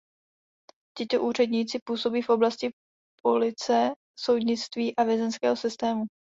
Tito úředníci působí v oblasti police, soudnictví a vězeňského systému.